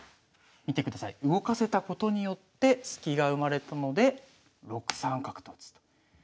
見てください動かせたことによってスキが生まれたので６三角と打つ。